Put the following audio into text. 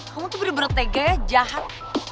kamu tuh berdobret teganya jahat